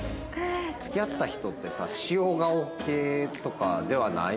付き合った人ってさ塩顔系とかではない？